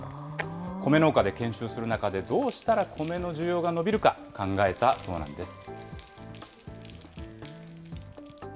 コメ農家で研修する中で、どうしたらコメの需要が伸びるか考えたそうなんです。